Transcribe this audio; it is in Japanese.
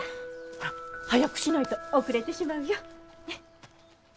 ほら早くしないと遅れてしまうよ。